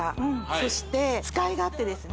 そして使い勝手ですね